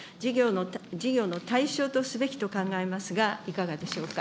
事業の対象とすべきと考えますが、いかがでしょうか。